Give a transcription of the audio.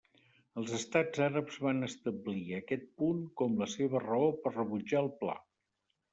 Els estats àrabs van establir aquest punt com la seva raó per rebutjar el pla.